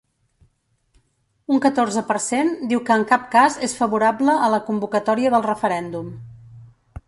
Un catorze per cent diu que en cap cas és favorable a la convocatòria del referèndum.